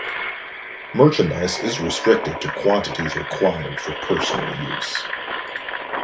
Merchandise is restricted to quantities required for personal use.